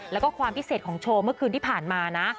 แล้วก็ความพิเศษของโชว์เมื่อคืนที่ผ่านมานะ